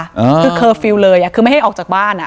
คือเคอร์ฟิลล์เลยอ่ะคือไม่ให้ออกจากบ้านอ่ะ